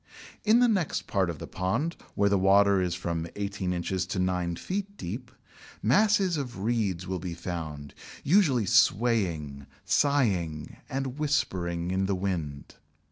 In the next part of the pond, where the water is from eighteen inches to nine feet deep, masses of reeds will be found usually swaying, sighing, and whispering in the wind.